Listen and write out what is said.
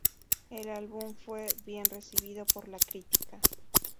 El álbum fue bien recibido por la crítica.